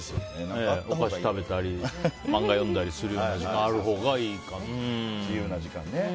お菓子食べたり漫画読んだりする時間があるほうがいいかな。